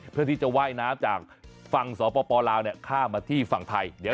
เพื่อที่จะว่ายน้ำจากฝั่งสปลาวข้ามมาที่ฝั่งไทย